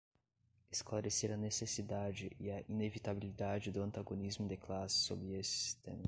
esclarecer a necessidade e a inevitabilidade do antagonismo de classe sob esse sistema